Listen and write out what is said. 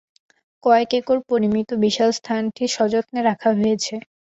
কয়েক একর পরিমিত বিশাল স্থানটি সযত্নে রাখা হয়েছে।